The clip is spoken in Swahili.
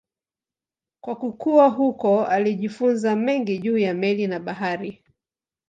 Kwa kukua huko alijifunza mengi juu ya meli na bahari.